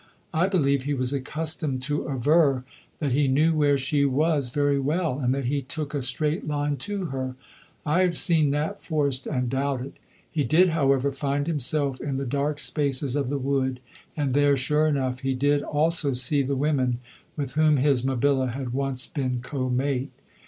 I believe he was accustomed to aver that he "knew where she was very well," and that he took a straight line to her. I have seen Knapp Forest and doubt it. He did, however, find himself in the dark spaces of the wood and there, sure enough, he did also see the women with whom his Mabilla had once been co mate.